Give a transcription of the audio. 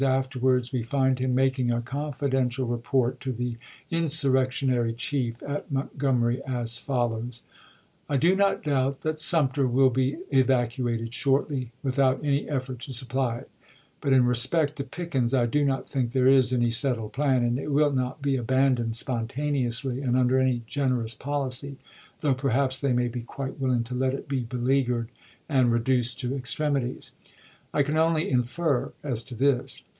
afterwards we find him making a confidential re port to the insurrectionary chief at Montgomery, as follows : I do not doubt that Sumter will be evacuated shortly, without any effort to supply it ; but in respect to Pickens I do not think there is any settled plan, and it will not be abandoned spontaneously, and under any generous policy, though perhaps they may be quite willing to let it be beleaguered and reduced to extremities. I can only infer as to this.